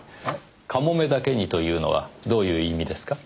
「かもめだけに」というのはどういう意味ですか？